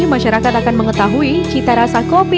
masyarakat akan mengetahui cita rasa kopi